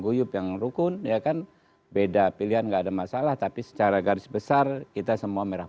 guyup yang rukun ya kan beda pilihan enggak ada masalah tapi secara garis besar kita semua merah